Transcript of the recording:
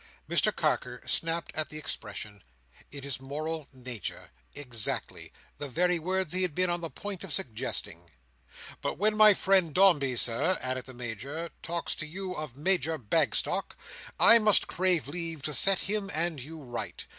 Mr Carker snapped at the expression. In his moral nature. Exactly. The very words he had been on the point of suggesting. "But when my friend Dombey, Sir," added the Major, "talks to you of Major Bagstock, I must crave leave to set him and you right.